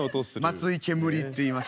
松井ケムリっていいます。